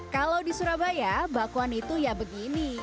kalau di surabaya bakwan itu ya begini